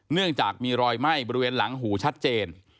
เนื่องจากมีรอยไหม้บริเวณหลังหูชัดเจน